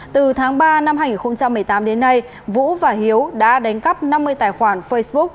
từ tháng ba năm hai nghìn một mươi tám đến nay vũ và hiếu đã đánh cắp năm mươi tài khoản facebook